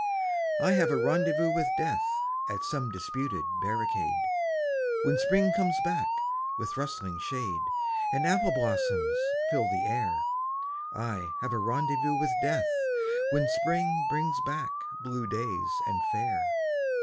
I have a rendezvous with Death At some disputed barricade, When Spring comes back with rustling shade And apple blossoms fill the air I have a rendezvous with Death When Spring brings back blue days and fair.